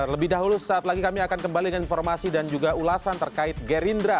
lebih dahulu saat lagi kami akan kembali dengan informasi dan juga ulasan terkait gerindra